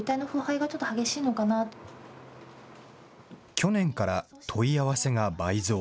去年から問い合わせが倍増。